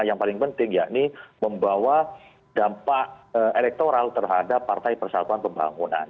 yang paling penting yakni membawa dampak elektoral terhadap partai persatuan pembangunan